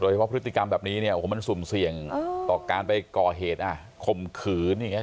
โดยเฉพาะพฤติกรรมแบบนี้เนี่ยโอ้โทำงงมันอุดสุมเสี่ยงของรูปต่อการก่อเหตุคมขืนนี่ใช่ไหม